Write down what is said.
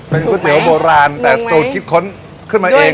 เป็นก๋วยเตี๋ยวโบราณแต่สูตรคิดค้นขึ้นมาเอง